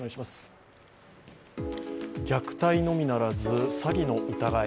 虐待のみならず詐欺の疑い。